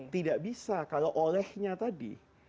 tidak bisa kalau olehnya tadi